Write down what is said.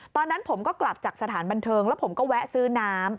ตอนนั้นผมก็กลับจากสถานบันเทิงแล้วผมก็แวะซื้อน้ำ